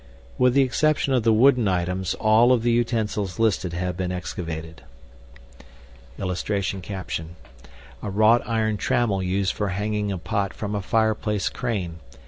With the exception of the wooden items, all of the utensils listed have been excavated. [Illustration: A WROUGHT IRON TRAMMEL USED FOR HANGING A POT FROM A FIREPLACE CRANE.